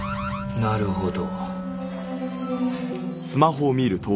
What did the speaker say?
なるほど。